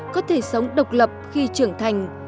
có thể sống độc lập khi trưởng thành